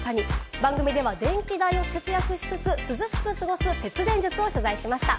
番組では電気代を節約しつつ、涼しく過ごす節電術を取材しました。